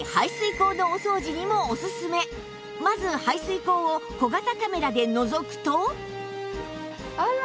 さらにまず排水口を小型カメラでのぞくと